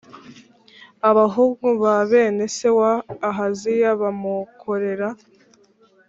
abahungu ba bene se wa Ahaziya bamukorera